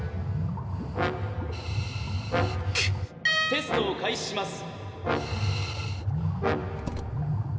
「テストを開始します！」。